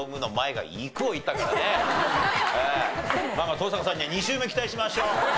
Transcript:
登坂さんには２周目期待しましょう。